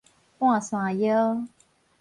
半山腰